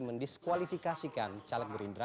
mendiskualifikasikan caleg gerindra